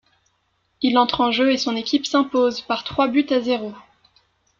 Il entre en jeu et son équipe s'impose par trois buts à zéro.